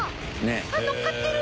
あっ載っかってる！